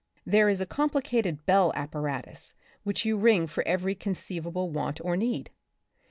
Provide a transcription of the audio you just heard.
There is a complicated bell apparatus which you ring for every conceivable want or need.